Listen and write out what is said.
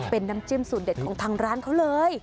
เป็นน้ำจิ้มสูตรเด็ดของทางร้านเขาเลย